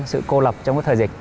sự cô lập trong cái thời dịch